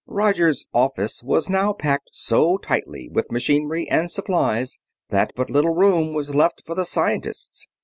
Roger's "office" was now packed so tightly with machinery and supplies that but little room was left for the scientists.